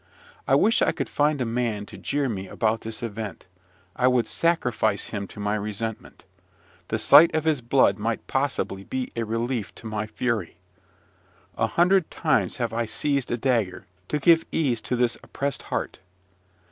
I wish I could find a man to jeer me about this event. I would sacrifice him to my resentment. The sight of his blood might possibly be a relief to my fury. A hundred times have I seized a dagger, to give ease to this oppressed heart.